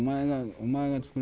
お前が。